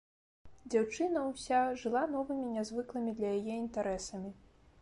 Дзяўчына ўся жыла новымі нязвыклымі для яе інтарэсамі.